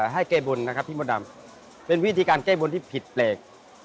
ให้แก้บนนะครับพี่มดดำเป็นวิธีการแก้บนที่ผิดแปลก